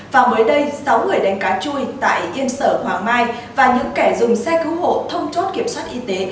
và mới đây sáu người đánh cá chui tại yên sở hoàng mai và những kẻ dùng xe cứu hộ thông chốt kiểm soát y tế